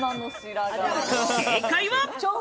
正解は。